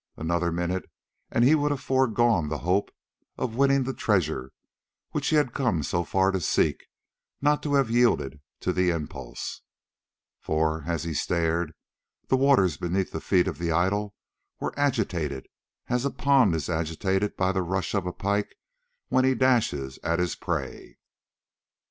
Another minute and he would have foregone the hope of winning the treasure which he had come so far to seek, not to have yielded to the impulse. For as he stared, the waters beneath the feet of the idol were agitated as a pond is agitated by the rush of a pike when he dashes at his prey.